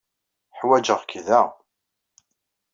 Ḥwajeɣ-k da.